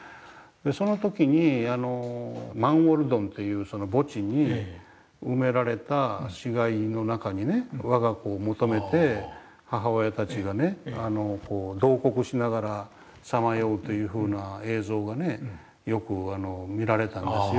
その時にマンウォルドンという墓地に埋められた死骸の中にわが子を求めて母親たちが慟哭しながらさまようというふうな映像がねよく見られたんですよ。